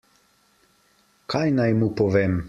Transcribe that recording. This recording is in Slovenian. Kaj naj mu povem?